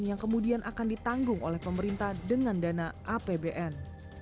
yang kemudian akan ditanggung oleh pemerintah dengan dana apbn